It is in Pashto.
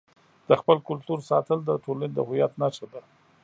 د خپل کلتور ساتل د ټولنې د هویت نښه ده.